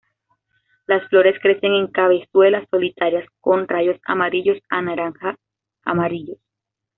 Las flores crecen en cabezuelas solitarias con rayos amarillos a naranja amarillos.